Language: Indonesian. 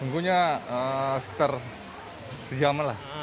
minggunya sekitar sejauh ini